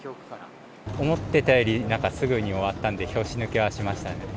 思ってたより、なんかすぐに終わったんで、拍子抜けはしましたね。